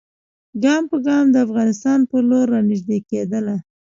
ګام په ګام د افغانستان پر لور را نیژدې کېدله.